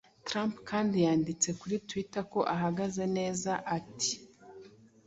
Trump kandi yanditse kuri Twitter ko ahagaze neza, ati: "